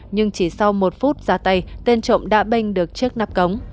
nhưng chỉ sau một phút ra tay tên trộm đã bênh được chiếc nắp cống